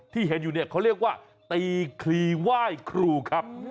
ที่เห็นอยู่เนี่ยเขาเรียกว่าตีคลีไหว้ครูครับ